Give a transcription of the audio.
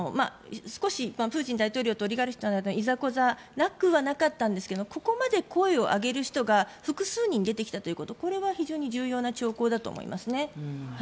少しプーチン大統領とオリガルヒとの間にいざこざがなくはなかったんですがここまで声を上げる人が複数人出てきたということこれは非常に重要な兆候だと思います。